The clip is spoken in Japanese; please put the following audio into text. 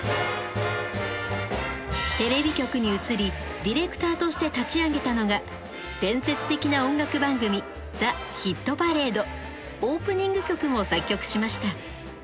テレビ局に移りディレクターとして立ち上げたのが伝説的な音楽番組オープニング曲も作曲しました。